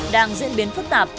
đang diễn biến phức tạp